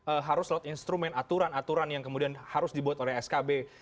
apakah memang harus melalui instrumen aturan aturan yang kemudian harus dibuat oleh aturan